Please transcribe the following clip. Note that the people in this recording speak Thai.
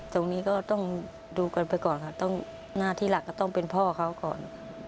ตรงนี้ก็ต้องดูกันไปก่อนค่ะต้องหน้าที่หลักก็ต้องเป็นพ่อเขาก่อน